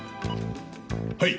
はい。